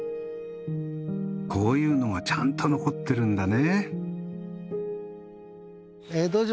こういうのがちゃんと残ってるんだね。